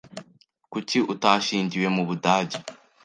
Kuki utashyingiwe mubudage?